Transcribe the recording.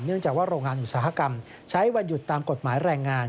จากว่าโรงงานอุตสาหกรรมใช้วันหยุดตามกฎหมายแรงงาน